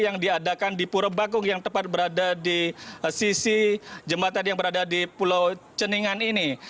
yang diadakan di pura bakung yang tepat berada di sisi jembatan yang berada di pulau ceningan ini